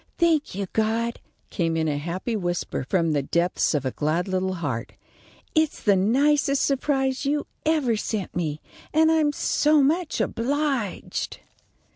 "Thank you, God," came in a happy whisper from the depths of a glad little heart. "It's the nicest surprise you ever sent me, and I'm so much obliged."